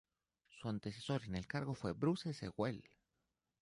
Su antecesor en el cargo fue Bruce Sewell.